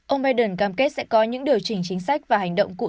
ông biden cam kết sẽ có những điều chỉnh chính sách và hành động quốc tế